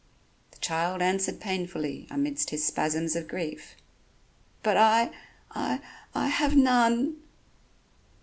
The child answered painfully amidst his spasms of grief: "But I ... I ... I have none."